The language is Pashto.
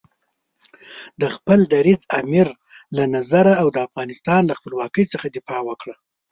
د خپل دریځ، امیر له نظر او د افغانستان له خپلواکۍ څخه دفاع وکړه.